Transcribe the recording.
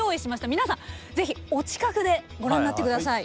皆さんぜひお近くでご覧になって下さい。